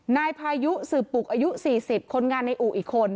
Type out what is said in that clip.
นายพายุสืบปุกอายุ๔๐คนงานในอู่อีกคน